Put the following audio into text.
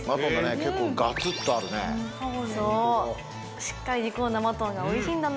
結構ガツッとあるねしっかり煮込んだマトンがおいしいんだな